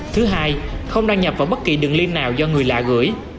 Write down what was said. thứ hai không đăng nhập vào bất kỳ đường lin nào do người lạ gửi